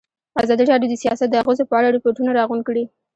ازادي راډیو د سیاست د اغېزو په اړه ریپوټونه راغونډ کړي.